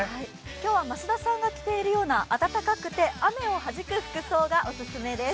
今日は増田さんが着ているような暖かくて雨をはじく服装がおすすめです。